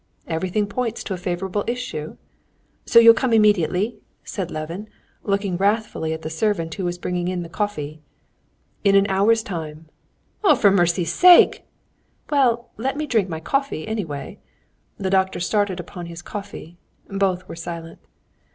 "Everything points to a favorable issue." "So you'll come immediately?" said Levin, looking wrathfully at the servant who was bringing in the coffee. "In an hour's time." "Oh, for mercy's sake!" "Well, let me drink my coffee, anyway." The doctor started upon his coffee. Both were silent.